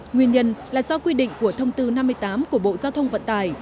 nguyên nhân là do quy định của thông tư năm mươi tám của bộ giao thông vận tải